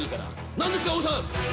何ですか⁉王さん！］